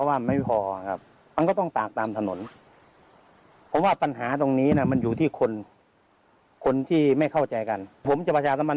เพราะว่าผู้ถูกตายไม่งาน